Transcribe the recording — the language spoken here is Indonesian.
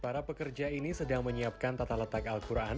para pekerja ini sedang menyiapkan tata letak al quran